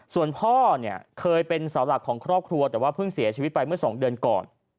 ส่วนพ่อเนี่ยเคยเป็นเสาหลักของครอบครัวแต่ว่าเพิ่งเสียชีวิตไปเมื่อ๒เดือนก่อน